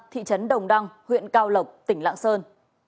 thị trấn đồng đăng huyện cao lộc tỉnh lạng sơn